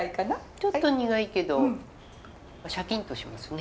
ちょっと苦いけどシャキンとしますね。